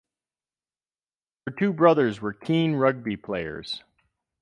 Her two brothers were keen rugby players.